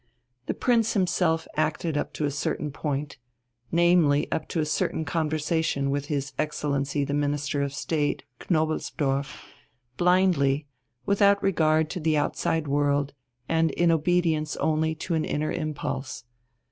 The Prince himself acted up to a certain point namely up to a certain conversation with his Excellency the Minister of State, Knobelsdorff blindly, without regard to the outside world and in obedience only to an inner impulse.